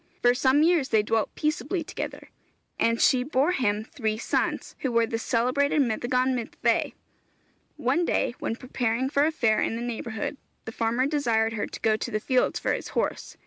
For some years they dwelt peaceably together, and she bore him three sons, who were the celebrated Meddygon Myddfai. One day, when preparing for a fair in the neighbourhood, the farmer desired her to go to the field for his horse.